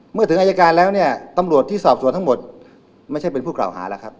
เมื่อถึงอายการแล้วเนี่ยตำรวจที่สอบสวนทั้งหมดไม่ใช่เป็นผู้กล่าวหาแล้วครับ